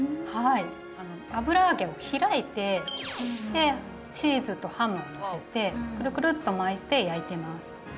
油揚げを開いてチーズとハムをのせてくるくるっと巻いて焼いてます。